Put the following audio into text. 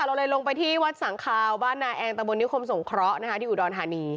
เราลงไปที่วัดสังขาวัดนายแองตะบลนิ้วคมสมเคราะห์นะฮะที่อุดรธานี